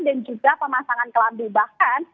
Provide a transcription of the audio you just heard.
dan juga pemasangan kelam di bahkan